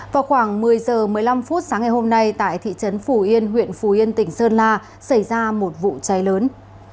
vào khoảng một mươi h một mươi năm phút sáng ngày hôm nay tại thị trấn phù yên huyện phù yên tỉnh sơn la xảy ra một vụ cháy lớn